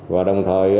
và đồng thời